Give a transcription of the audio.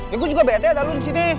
ya gue juga bete atau lu disini